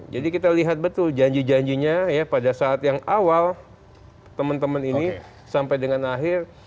jadi kita lihat betul janji janjinya ya pada saat yang awal teman teman ini sampai dengan akhir